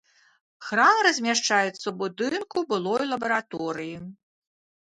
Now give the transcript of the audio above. Храм размяшчаецца ў будынку былой лабараторыі.